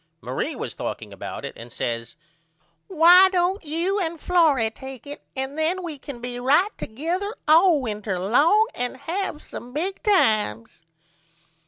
Marie was talking about it and says Why don't you and Florrie take it and then we can be right together all winter ong and have some big times.